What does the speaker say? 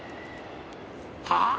はあ！？